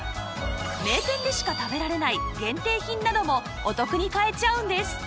名店でしか食べられない限定品などもお得に買えちゃうんです